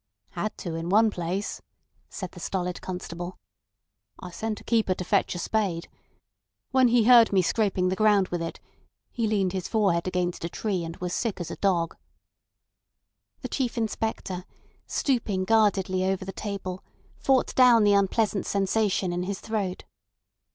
"Had to in one place," said the stolid constable. "I sent a keeper to fetch a spade. When he heard me scraping the ground with it he leaned his forehead against a tree, and was as sick as a dog." The Chief Inspector, stooping guardedly over the table, fought down the unpleasant sensation in his throat.